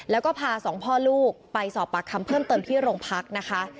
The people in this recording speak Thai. แล้วก็พาสองพ่อลูกไปสอบปากคำเพิ่มเติมที่โรงพักนะคะ